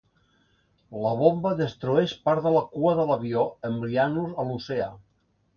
La bomba destrueix part de la cua de l'avió, enviant-los a l'oceà.